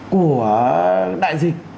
của đại dịch